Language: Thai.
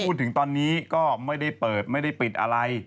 จนถึงตอนนี้ก็ไม่ได้เปิดไม่ได้ปิดอะไร